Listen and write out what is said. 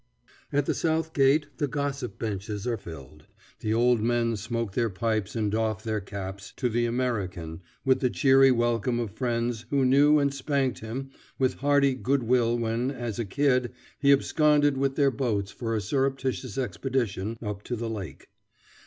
At the south gate the "gossip benches" are filled. The old men smoke their pipes and doff their caps to "the American" with the cheery welcome of friends who knew and spanked him with hearty good will when as "a kid" he absconded with their boats for a surreptitious expedition up to the lake.